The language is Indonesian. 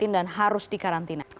dan harus dikarantina